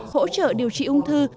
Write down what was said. hỗ trợ điều trị ung thư